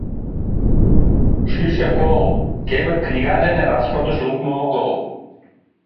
Шӱйшӧ кол, кевыт книга дене, расходыш лукмо огыл.